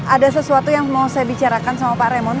ada sesuatu yang mau saya bicarakan sama pak remon